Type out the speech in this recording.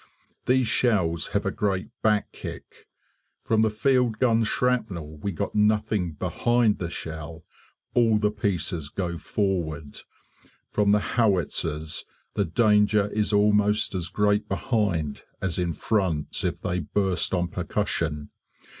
These shells have a great back kick; from the field gun shrapnel we got nothing BEHIND the shell all the pieces go forward. From the howitzers, the danger is almost as great behind as in front if they burst on percussion.